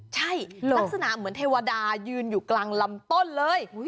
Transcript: ใช่ลักษณะเหมือนเทวดายืนอยู่กลางลำต้นเลย